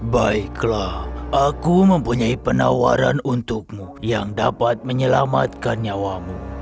baiklah aku mempunyai penawaran untukmu yang dapat menyelamatkan nyawamu